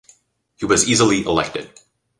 He was easily elected.